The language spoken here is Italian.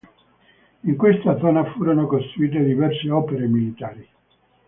In questa zona furono costruite diverse opere militari.